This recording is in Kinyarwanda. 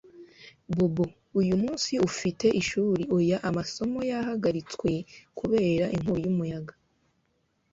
Bobo uyu munsi ufite ishuri Oya amasomo yahagaritswe kubera inkubi yumuyaga